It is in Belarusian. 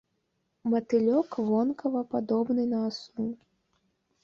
Матылёк вонкава падобны на асу.